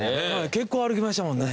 結構歩きましたもんね。